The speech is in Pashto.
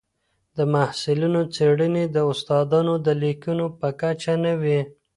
د محصلینو څېړني د استادانو د لیکنو په کچه نه وي.